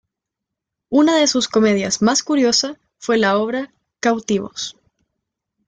Una de sus comedias más curiosa fue la obra "Cautivos".